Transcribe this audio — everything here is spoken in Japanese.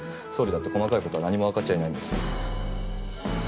総理だって細かい事は何もわかっちゃいないんです。